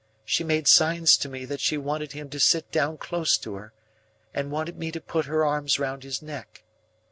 She made signs to me that she wanted him to sit down close to her, and wanted me to put her arms round his neck.